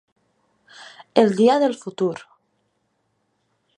El dia del futur.